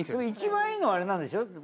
一番いいのはあれなんでしょ。